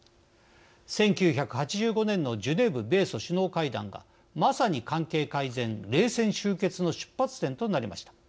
１９８５年のジュネーブ米ソ首脳会談がまさに関係改善、冷戦終結の出発点となりました。